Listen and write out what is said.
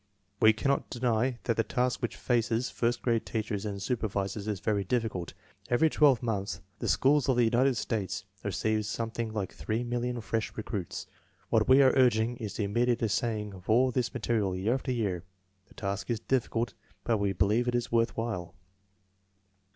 We cannot deny that the task which faces first grade teachers and supervisors is very difficult. Every twelve months the schools of the United States receive something like three million fresh recruits. What we are urging is the immediate assaying of all this ma terial, year after year. The task is difficult, but we believe it is worth while.